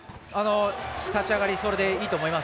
立ち上がりそれでいいと思います。